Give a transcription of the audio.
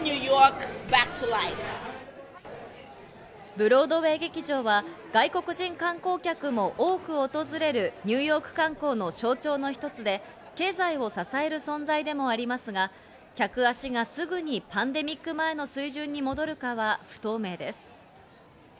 ブロードウェー劇場は、外国人観光客も多く訪れるニューヨーク観光の象徴の一つで経済を支える存在でもありますが、客足がすぐにパンデミック前の水準に戻るかは不透明です。